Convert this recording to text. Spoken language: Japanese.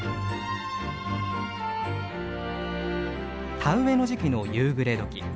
田植えの時期の夕暮れ時。